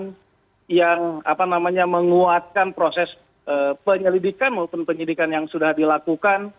jadi tim mendapatkan saksi saksi tambahan yang menguatkan proses penyelidikan maupun penyelidikan yang sudah dilakukan